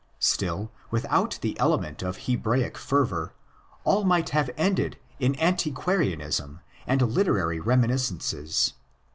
Still, without the element of Hebraic fervour, all might have ended in anti quarianism and literary reminiscences.